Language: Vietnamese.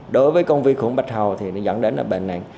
đối với con vi khuẩn bạch hầu thì nó dẫn đến là bệnh nạn